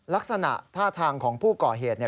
ลักษณะท่าทางของผู้ก่อเหตุ